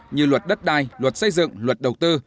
như luật đất đai luật xây dựng luật đầu tư